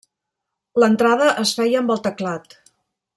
L'entrada es feia amb el teclat.